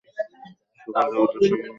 সকল দেবতার সম্বন্ধেই এরূপ বুঝিতে হইবে।